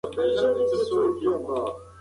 انا د وره شاته په ځمکه ولوېده.